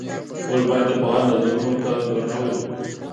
موږ باید د پوهانو نظرونو ته درناوی وکړو.